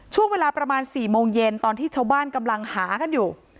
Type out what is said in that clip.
ช่วงเวลาประมาณ๔โมงเย็นตอนที่ชาวบ้านกำลังหากันอยู่